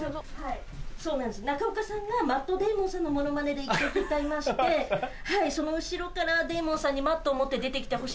・そうなんですよ・・中岡さんがマット・デイモンさんのモノマネで１曲歌いまして・はいその後ろからデイモンさんにマットを持って出て来てほしい。